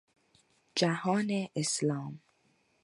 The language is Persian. جهان اسلام